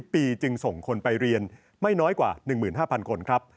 ปีจึงส่งคนไปเรียนไม่น้อยกว่า๑๕๐๐คนครับ